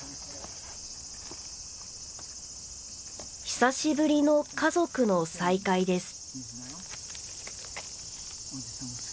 久しぶりの家族の再会です。